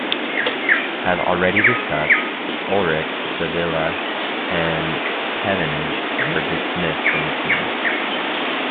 As already discussed Ullrich, Sevilla and Pevenage were dismissed from the team.